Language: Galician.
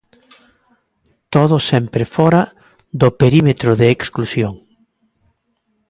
Todo sempre fóra do perímetro de exclusión.